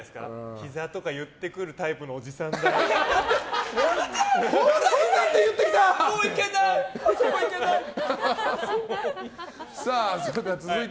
ひざとか言ってくるタイプのおじさんだって。。